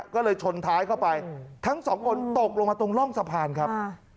ก็เลยชนท้ายเข้าไปทั้งสองคนตกลงมาตรงร่องสะพานครับ